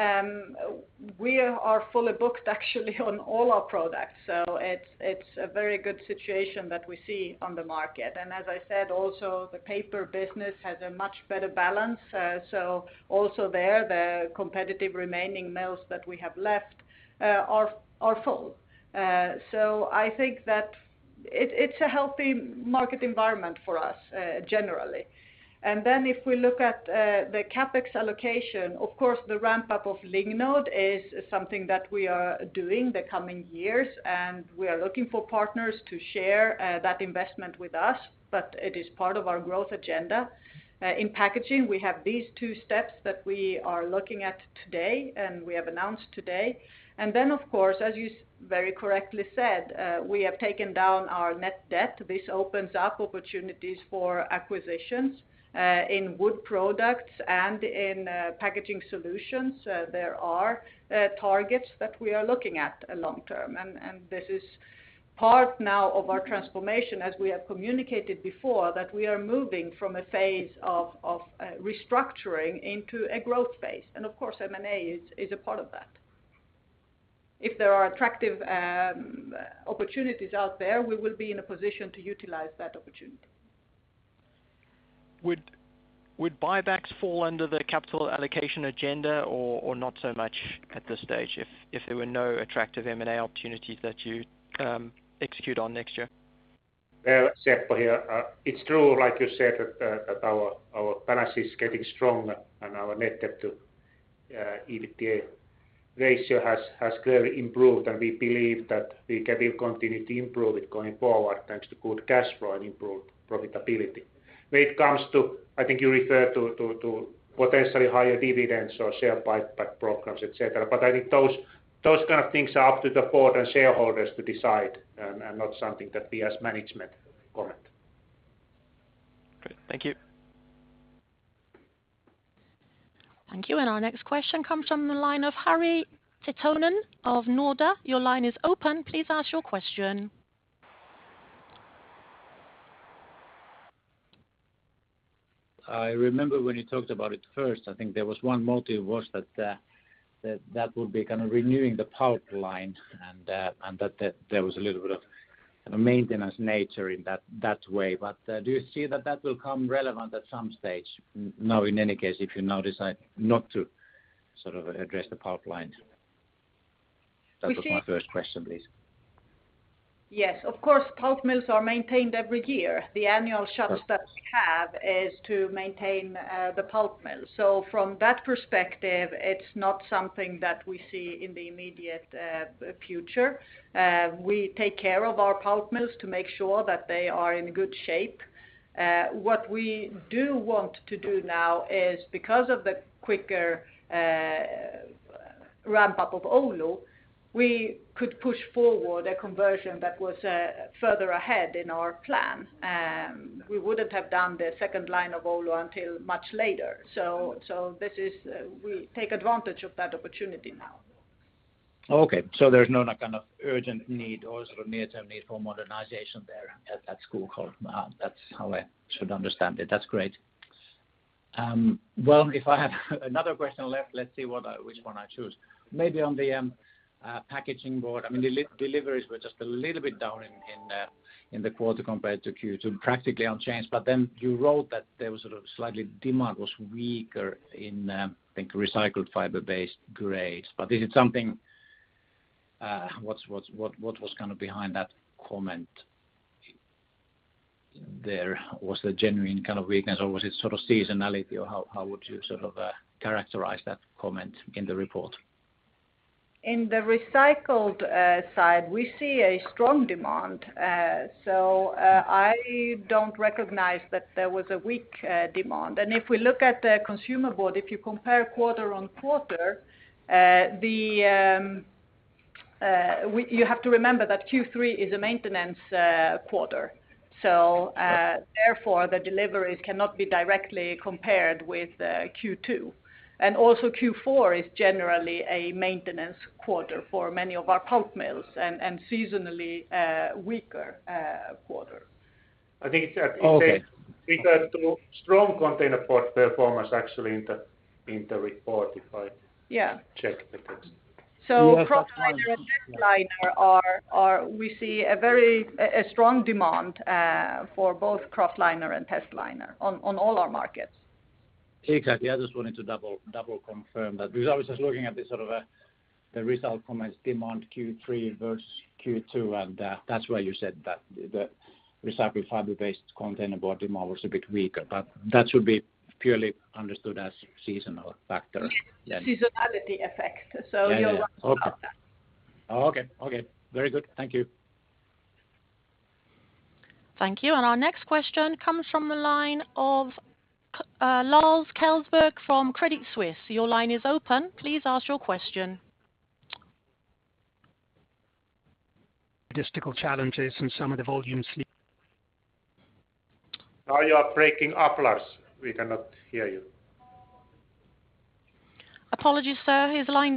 Speaker 3: We are fully booked, actually, on all our products, so it's a very good situation that we see on the market. As I said, also, the paper business has a much better balance. Also there, the competitive remaining mills that we have left are full. I think that it's a healthy market environment for us generally. If we look at the CapEx allocation, of course, the ramp-up of Lignode is something that we are doing the coming years, and we are looking for partners to share that investment with us. It is part of our growth agenda. In packaging, we have these 2 steps that we are looking at today, and we have announced today. Of course, as you very correctly said, we have taken down our net debt. This opens up opportunities for acquisitions in wood products and in packaging solutions. There are targets that we are looking at long term. This is part now of our transformation, as we have communicated before, that we are moving from a phase of restructuring into a growth phase. Of course, M&A is a part of that. If there are attractive opportunities out there, we will be in a position to utilize that opportunity.
Speaker 9: Would buybacks fall under the capital allocation agenda or not so much at this stage if there were no attractive M&A opportunities that you execute on next year?
Speaker 4: Well, Seppo here. It's true, like you said, that our balance sheet is getting stronger and our net debt to EBITDA ratio has clearly improved, and we believe that we can continue to improve it going forward, thanks to good cash flow and improved profitability. When it comes to, I think you refer to potentially higher dividends or share buyback programs, et cetera, but I think those kind of things are up to the board and shareholders to decide and not something that we as management comment.
Speaker 9: Great. Thank you.
Speaker 1: Thank you. Our next question comes from the line of Harri Taittonen of Nordea. Your line is open. Please ask your question.
Speaker 10: I remember when you talked about it first, I think there was one motive was that would be kind of renewing the pulp line, and that there was a little bit of maintenance nature in that way. Do you see that that will come relevant at some stage now in any case, if you now decide not to address the pulp line? That was my first question, please.
Speaker 3: Yes. Of course, pulp mills are maintained every year. The annual shuts that we have is to maintain the pulp mills. From that perspective, it's not something that we see in the immediate future. We take care of our pulp mills to make sure that they are in good shape. What we do want to do now is because of the quicker ramp-up of Oulu, we could push forward a conversion that was further ahead in our plan. We wouldn't have done the second line of Oulu until much later. We take advantage of that opportunity now.
Speaker 10: Okay. There's no kind of urgent need or near-term need for modernization there at Skoghall. That's how I should understand it. That's great. If I have another question left, let's see which one I choose. Maybe on the packaging board, the deliveries were just a little bit down in the quarter compared to Q2, practically unchanged. You wrote that there was sort of slightly demand was weaker in, I think, recycled fiber-based grades. What was behind that comment there? Was there genuine kind of weakness, or was it sort of seasonality, or how would you characterize that comment in the report?
Speaker 3: In the recycled side, we see a strong demand. I don't recognize that there was a weak demand. If we look at the Consumer board, if you compare quarter-on-quarter, you have to remember that Q3 is a maintenance quarter. Also, Q4 is generally a maintenance quarter for many of our pulp mills and seasonally weaker quarter.
Speaker 4: I think it said...
Speaker 10: Okay
Speaker 4: ...weaker to strong containerboard performance actually in the report.
Speaker 3: Yeah
Speaker 4: checked it.
Speaker 3: Kraftliner.
Speaker 10: You have to-
Speaker 3: Testliner, we see a strong demand for both kraftliner and testliner on all our markets.
Speaker 10: Okay. Yeah, I just wanted to double confirm that because I was just looking at the result from demand Q3 versus Q2. That's why you said that the recycled fiber-based container board demand was a bit weaker. That should be purely understood as seasonal factors. Yeah.
Speaker 3: Seasonality effect.
Speaker 10: Yeah
Speaker 3: Right about that.
Speaker 10: Okay. Very good. Thank you.
Speaker 1: Thank you. Our next question comes from the line of Lars Kjellberg from Credit Suisse. Your line is open. Please ask your question.
Speaker 8: Logistical challenges and some of the volumes.
Speaker 4: Now you are breaking up, Lars. We cannot hear you.
Speaker 1: Apologies, sir.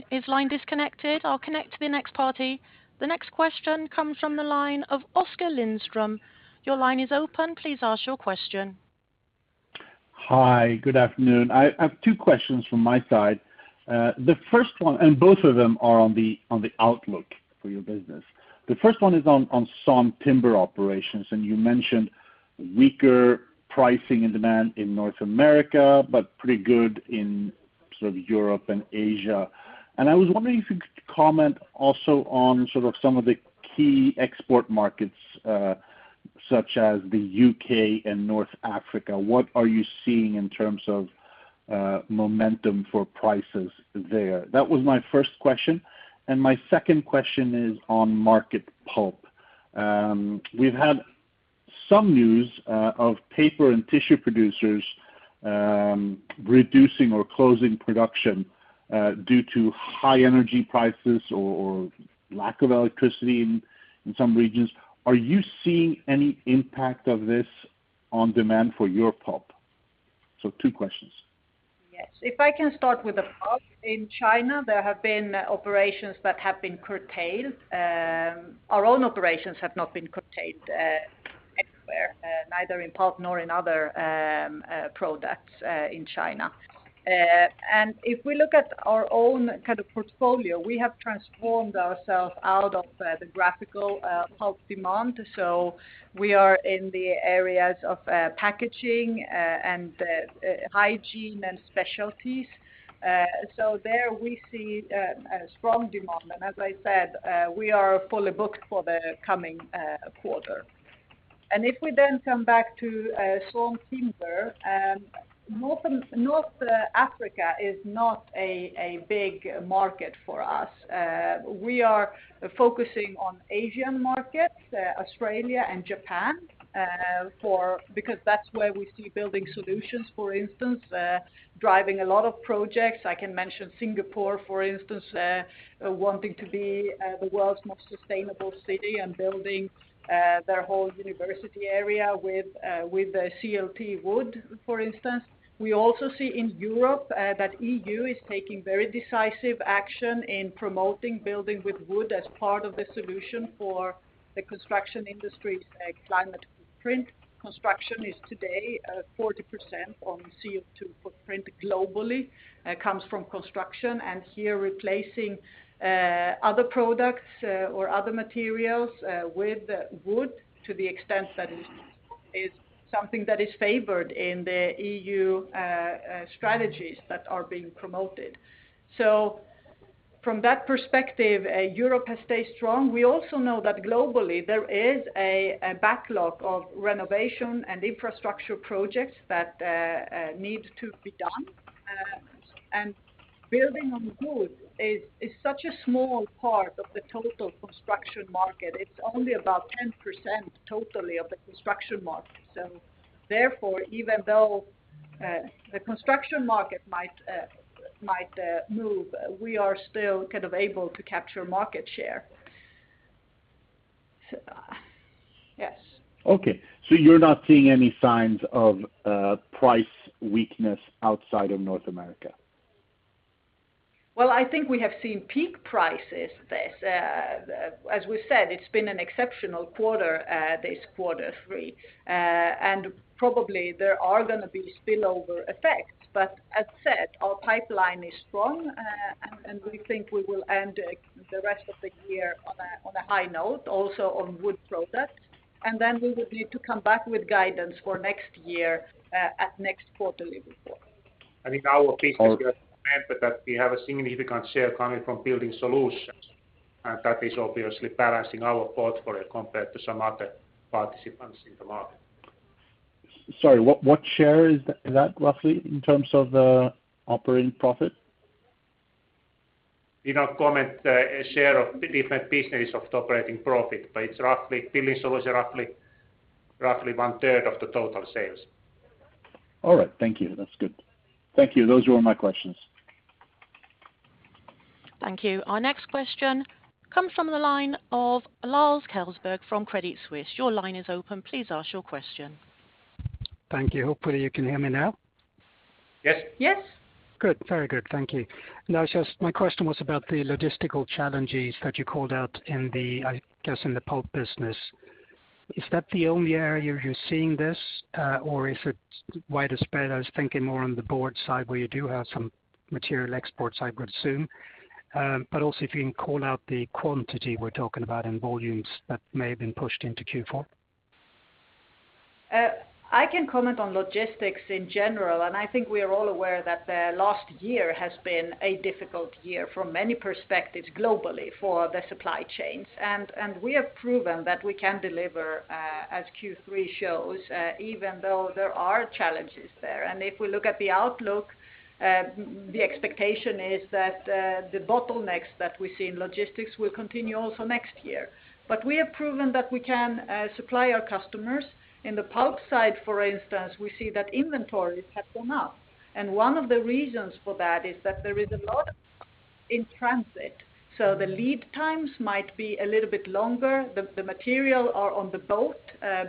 Speaker 1: His line disconnected. I'll connect to the next party. The next question comes from the line of Oskar Lindström. Your line is open. Please ask your question.
Speaker 11: Hi, good afternoon. I have two questions from my side. The first one, both of them are on the outlook for your business. The first one is on sawn timber operations, you mentioned weaker pricing and demand in North America, but pretty good in Europe and Asia. I was wondering if you could comment also on some of the key export markets, such as the U.K. and North Africa. What are you seeing in terms of momentum for prices there? That was my first question, my second question is on market pulp. We've had some news of paper and tissue producers reducing or closing production due to high energy prices or lack of electricity in some regions. Are you seeing any impact of this on demand for your pulp? Two questions.
Speaker 3: Yes. If I can start with the pulp. In China, there have been operations that have been curtailed. Our own operations have not been curtailed anywhere, neither in pulp nor in other products in China. If we look at our own kind of portfolio, we have transformed ourself out of the graphical pulp demand. We are in the areas of packaging and hygiene and specialties. There we see a strong demand. As I said, we are fully booked for the coming quarter. If we then come back to sawn timber, North Africa is not a big market for us. We are focusing on Asian markets, Australia and Japan, because that's where we see Building Solutions, for instance, driving a lot of projects. I can mention Singapore, for instance, wanting to be the world's most sustainable city and building their whole university area with CLT wood, for instance. We also see in Europe that EU is taking very decisive action in promoting building with wood as part of the solution for the construction industry's climate footprint. Construction is today 40% on CO2 footprint globally, comes from construction. Here replacing other products or other materials with wood to the extent that is something that is favored in the EU strategies that are being promoted. From that perspective, Europe has stayed strong. We also know that globally there is a backlog of renovation and infrastructure projects that need to be done. Building on wood is such a small part of the total construction market. It's only about 10% totally of the construction market. Therefore, even though the construction market might move, we are still able to capture market share. Yes.
Speaker 11: Okay, you're not seeing any signs of price weakness outside of North America?
Speaker 3: Well, I think we have seen peak prices this. As we said, it's been an exceptional quarter this quarter three. Probably there are going to be spillover effects. As said, our pipeline is strong, and we think we will end the rest of the year on a high note, also on wood products. Then we will need to come back with guidance for next year at next quarterly report.
Speaker 4: I think our business remember that we have a significant share coming from Building Solutions, and that is obviously balancing our portfolio compared to some other participants in the market.
Speaker 11: Sorry, what share is that roughly in terms of operating profit?
Speaker 4: We don't comment a share of different business of the operating profit, but Building Solutions roughly one-third of the total sales.
Speaker 11: All right. Thank you. That's good. Thank you. Those were all my questions.
Speaker 1: Thank you. Our next question comes from the line of Lars Kjellberg from Credit Suisse. Your line is open. Please ask your question.
Speaker 8: Thank you. Hopefully you can hear me now.
Speaker 4: Yes.
Speaker 3: Yes.
Speaker 8: Good. Very good. Thank you. Just my question was about the logistical challenges that you called out in the pulp business. Is that the only area you're seeing this, or is it wider spread? I was thinking more on the board side where you do have some material exports, I would assume. Also if you can call out the quantity we're talking about in volumes that may have been pushed into Q4.
Speaker 3: I can comment on logistics in general, and I think we are all aware that the last year has been a difficult year from many perspectives globally for the supply chains. We have proven that we can deliver, as Q3 shows, even though there are challenges there. If we look at the outlook, the expectation is that the bottlenecks that we see in logistics will continue also next year. We have proven that we can supply our customers. In the pulp side, for instance, we see that inventories have gone up. One of the reasons for that is that there is a lot of in transit. The lead times might be a little bit longer. The material are on the boat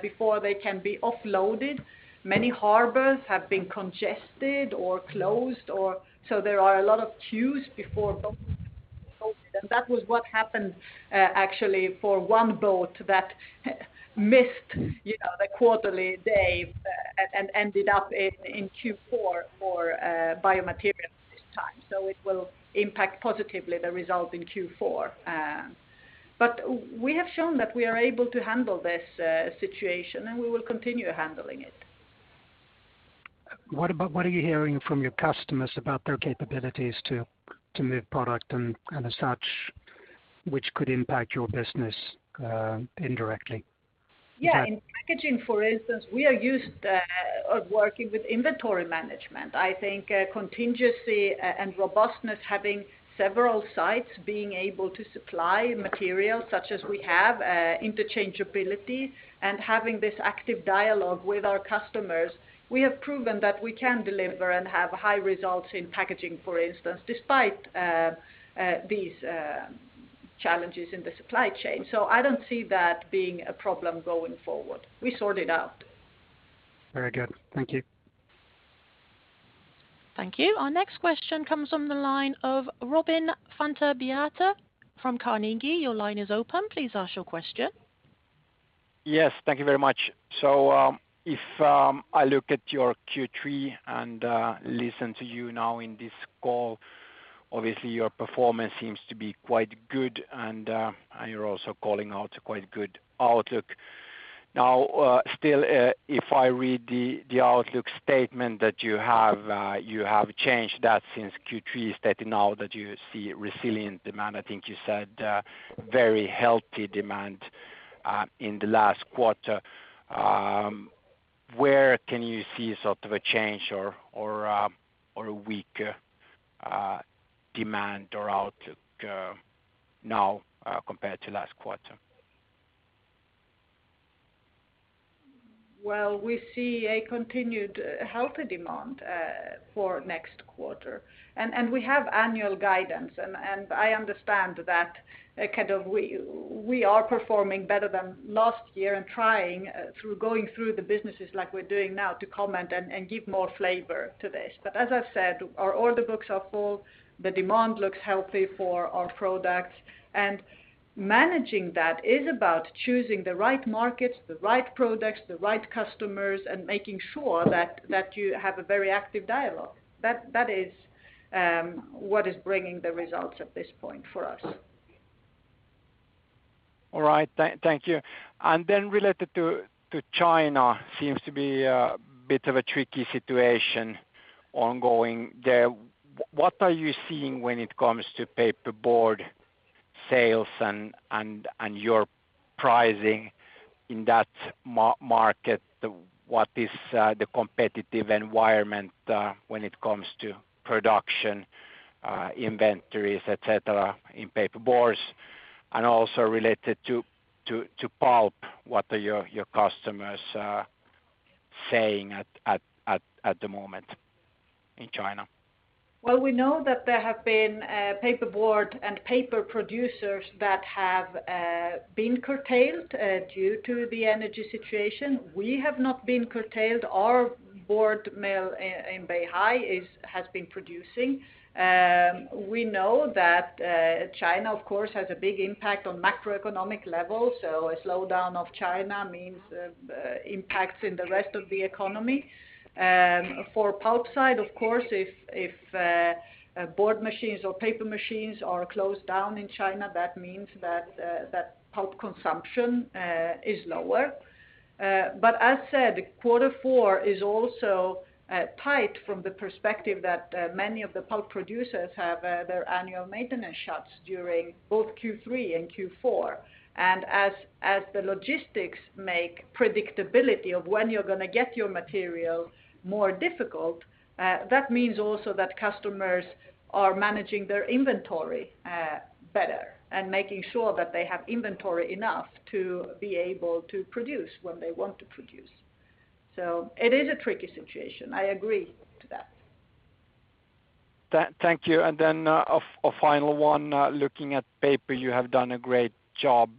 Speaker 3: before they can be offloaded. Many harbors have been congested or closed, so there are a lot of queues before boats can be loaded. That was what happened actually for one boat that missed the quarterly day and ended up in Q4 for biomaterials this time. It will impact positively the result in Q4. We have shown that we are able to handle this situation, and we will continue handling it.
Speaker 8: What are you hearing from your customers about their capabilities to move product and such, which could impact your business indirectly?
Speaker 3: Yeah. In packaging, for instance, we are used of working with inventory management. I think contingency and robustness, having several sites, being able to supply materials such as we have, interchangeability, and having this active dialogue with our customers, we have proven that we can deliver and have high results in packaging, for instance, despite these challenges in the supply chain. I don't see that being a problem going forward. We sort it out.
Speaker 8: Very good. Thank you.
Speaker 1: Thank you. Our next question comes from the line of Robin Santavirta from Carnegie. Your line is open. Please ask your question.
Speaker 12: Yes. Thank you very much. If I look at your Q3 and listen to you now in this call, obviously, your performance seems to be quite good, and you are also calling out a quite good outlook. Now, still, if I read the outlook statement that you have, you have changed that since Q3, stating now that you see resilient demand. I think you said very healthy demand in the last quarter. Where can you see sort of a change or a weak demand or outlook now compared to last quarter?
Speaker 3: Well, we see a continued healthy demand for next quarter, and we have annual guidance. I understand that we are performing better than last year and trying, through going through the businesses like we're doing now, to comment and give more flavor to this. As I've said, our order books are full. The demand looks healthy for our products. Managing that is about choosing the right markets, the right products, the right customers, and making sure that you have a very active dialogue. That is what is bringing the results at this point for us.
Speaker 12: All right. Thank you. Then related to China, seems to be a bit of a tricky situation ongoing there. What are you seeing when it comes to paperboard sales and your pricing in that market? What is the competitive environment when it comes to production inventories, et cetera, in paperboards? Also related to pulp, what are your customers saying at the moment in China?
Speaker 3: We know that there have been paperboard and paper producers that have been curtailed due to the energy situation. We have not been curtailed. Our board mill in Beihai has been producing. We know that China, of course, has a big impact on macroeconomic levels. A slowdown of China means impacts in the rest of the economy. For pulp side, of course, if board machines or paper machines are closed down in China, that means that pulp consumption is lower. As said, quarter four is also tight from the perspective that many of the pulp producers have their annual maintenance shuts during both Q3 and Q4. As the logistics make predictability of when you're going to get your material more difficult, that means also that customers are managing their inventory better and making sure that they have inventory enough to be able to produce when they want to produce. It is a tricky situation. I agree to that.
Speaker 12: Thank you. Then a final one. Looking at paper, you have done a great job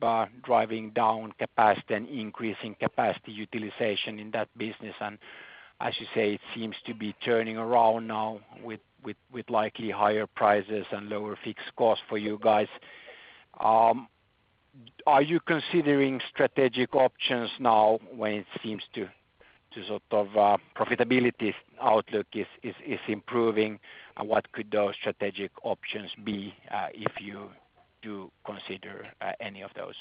Speaker 12: driving down capacity and increasing capacity utilization in that business. As you say, it seems to be turning around now with likely higher prices and lower fixed costs for you guys. Are you considering strategic options now when it seems to profitability outlook is improving? What could those strategic options be if you do consider any of those?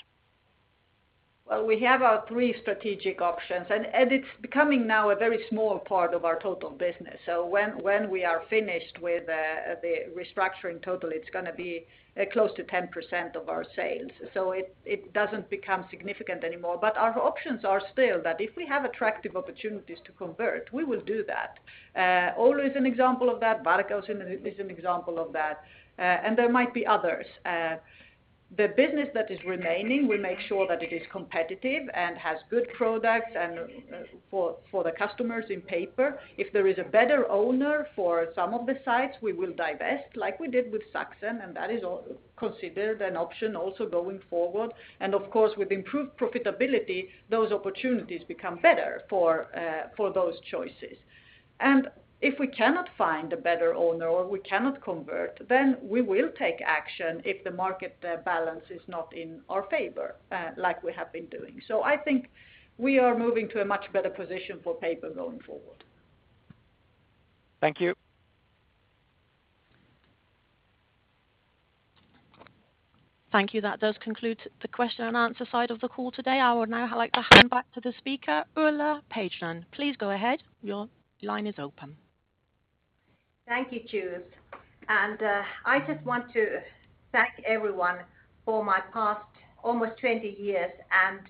Speaker 3: We have our 3 strategic options, and it's becoming now a very small part of our total business. When we are finished with the restructuring total, it's going to be close to 10% of our sales. It doesn't become significant anymore. Our options are still that if we have attractive opportunities to convert, we will do that. Oulu is an example of that, Varkaus is an example of that, and there might be others. The business that is remaining, we make sure that it is competitive and has good products for the customers in paper. If there is a better owner for some of the sites, we will divest like we did with Sachsen, and that is considered an option also going forward. Of course, with improved profitability, those opportunities become better for those choices. If we cannot find a better owner or we cannot convert, then we will take action if the market balance is not in our favor, like we have been doing. I think we are moving to a much better position for paper going forward.
Speaker 12: Thank you.
Speaker 1: Thank you. That does conclude the question and answer side of the call today. I would now like to hand back to the speaker, Ulla Paajanen. Please go ahead.
Speaker 2: Thank you, Jules. I just want to thank everyone for my past almost 20 years and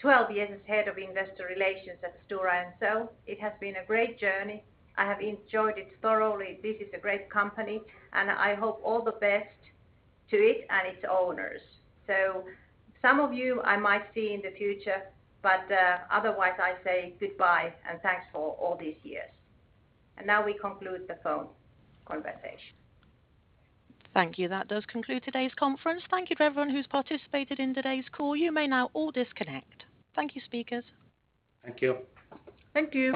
Speaker 2: 12 years as head of investor relations at Stora Enso. It has been a great journey. I have enjoyed it thoroughly. This is a great company, and I hope all the best to it and its owners. Some of you I might see in the future, but otherwise I say goodbye and thanks for all these years. Now we conclude the phone conversation.
Speaker 1: Thank you. That does conclude today's conference. Thank you to everyone who's participated in today's call. You may now all disconnect. Thank you, speakers.
Speaker 12: Thank you.
Speaker 3: Thank you.